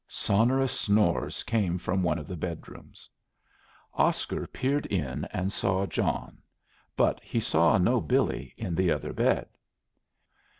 Sonorous snores came from one of the bedrooms. Oscar peered in and saw John; but he saw no Billy in the other bed.